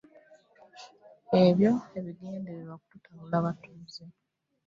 Ebyo bigendererwa kututabula butabuzi.